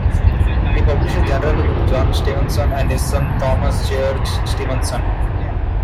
He published generally with John Stevenson and his son Thomas George Stevenson.